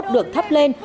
được thắp lên